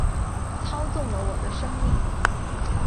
操纵了我的生命